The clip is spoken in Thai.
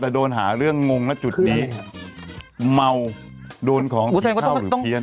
แต่โดนหาเรื่องงงนะจุดนี้เมาโดนของกินข้าวหรือเพี้ยน